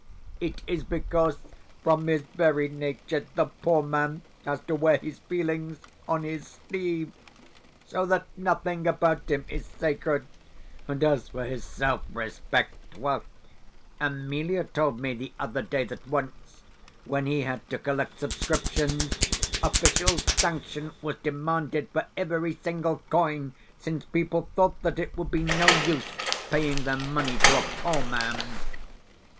It is because, from his very nature, the poor man has to wear his feelings on his sleeve, so that nothing about him is sacred, and as for his self respect ! Well, Emelia told me the other day that once, when he had to collect subscriptions, official sanction was demanded for every single coin, since people thought that it would be no use paying their money to a poor man.